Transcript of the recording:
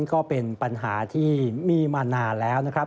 ก็เป็นปัญหาที่มีมานานแล้วนะครับ